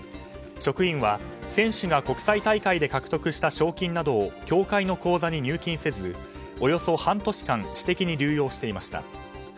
職員は選手が国際大会で獲得した賞金などを協会の口座に入金せずおよそ半年間私的に流用していました。